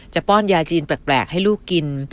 ป้อนยาจีนแปลกให้ลูกกิน